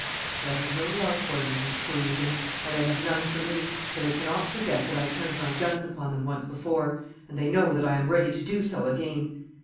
But I have no love for them, these Parisians, and they have none for me, for they cannot forget that I turned my guns upon them once before, and they know that I am ready to do so again.